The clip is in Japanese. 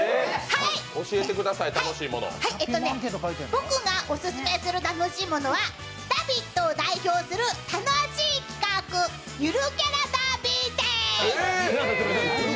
僕がオススメする楽しいものは「ラヴィット！」を代表する楽しい企画、ゆるキャラダービーです。